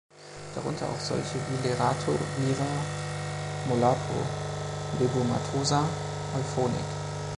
Darunter auch solche wie Lerato „Lira“ Molapo, Lebo Mathosa, Euphonik.